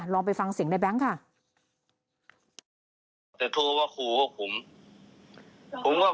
ลองไปฟังเสียงในแบงค์ค่ะ